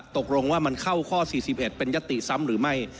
ตกลงว่ามันเข้าข้อ๔๑เป็นยติซ้ำหรือไม่